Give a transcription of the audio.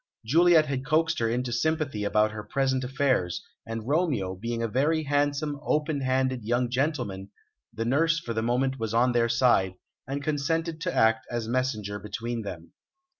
Juliet had coaxed her into sympathy about her present affairs, and Romeo, being a very handsome, open handed young gentleman, the nurse for the moment was on their side, and consented to act as messenger between them.